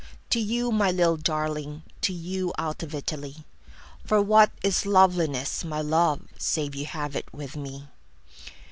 To you, my little darling, To you, out of Italy.For what is loveliness, my love, Save you have it with me!